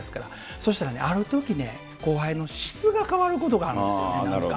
そうしたらね、あるときね、後輩の質が変わることがあるんですよ、何か。